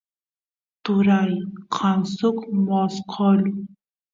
turay kan suk mosqolu